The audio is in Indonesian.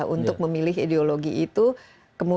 untuk memilih ideologi itu